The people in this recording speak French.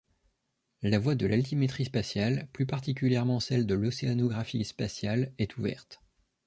La voie de l'altimétrie spatiale, plus particulièrement celle de l'océanographie spatiale, est ouverte.